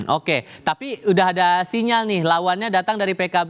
oke tapi sudah ada sinyal nih lawannya datang dari pkb